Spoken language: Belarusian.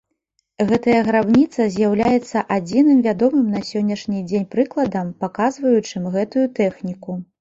Гэтая грабніца з'яўляецца адзіным вядомым на сённяшні дзень прыкладам, паказваючым гэтую тэхніку.